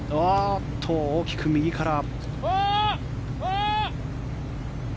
大きく右から。